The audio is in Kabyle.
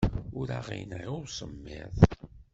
Ur aɣ-yenɣi usemmiḍ.